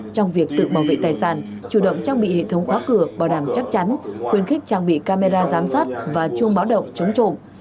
trong việc tự bảo vệ tài sản chủ động trang bị hệ thống khóa cửa bảo đảm chắc chắn khuyến khích trang bị camera giám sát và chuông báo động chống trộm